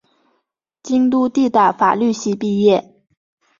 京都帝大法律系毕业。